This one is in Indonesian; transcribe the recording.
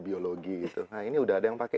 biologi gitu nah ini udah ada yang pakai